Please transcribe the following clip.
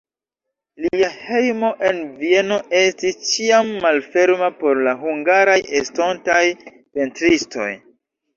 Lia hejmo en Vieno estis ĉiam malferma por la hungaraj estontaj pentristoj.